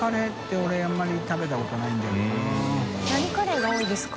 何カレーが多いですか？